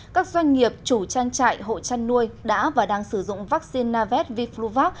các doanh nghiệp chủ trang trại hộ trăn nuôi đã và đang sử dụng vaccine navet vifluva